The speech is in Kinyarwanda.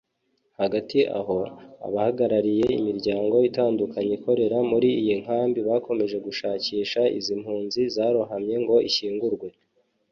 Hagati aho abahagarariye imiryango itandukanye ikorera muri iyi nkambi bakomeje gushakisha izi mpunzi zarohamye ngo ishyingurwe